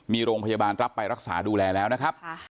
มีโรงพยาบาลรับไปรักษาดูแลแล้วนะครับ